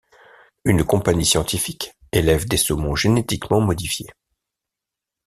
Une compagnie scientifique élève des saumons génétiquement modifiés.